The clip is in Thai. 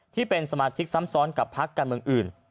ที่เป็นสมาชิกซ้ำซ้อนกับพักการเมืองอื่น